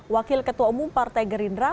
wakil ketua umum partai gerindra